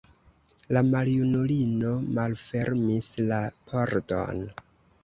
La maljunulino malfermis la pordon.